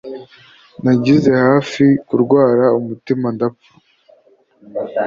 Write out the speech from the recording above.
Nagize hafi kurwara umutima ndapfa.